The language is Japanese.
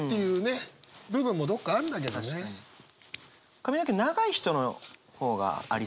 髪の毛長い人の方がありそうですもんね。